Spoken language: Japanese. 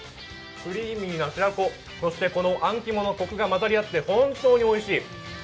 クリーミーな白子、そしてあん肝のこくが混ざり合って本当においしい。